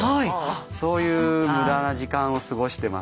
そういう無駄な時間を過ごしてますね。